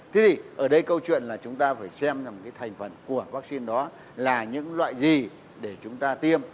thế thì ở đây câu chuyện là chúng ta phải xem thành phần của vaccine đó là những loại gì để chúng ta tiêm